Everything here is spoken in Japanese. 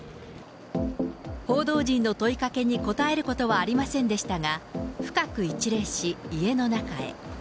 報道陣の問いかけに答えることはありませんでしたが、深く一礼し、家の中へ。